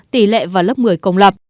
tỷ lệ vào lớp một mươi công lập